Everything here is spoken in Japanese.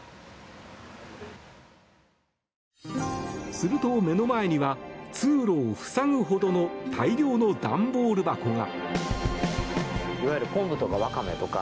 すると目の前には通路を塞ぐほどの大量の段ボール箱が。